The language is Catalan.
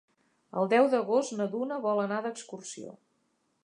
El deu d'agost na Duna vol anar d'excursió.